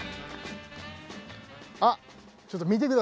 あっ！